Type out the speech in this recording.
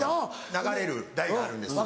流れる台があるんですよ。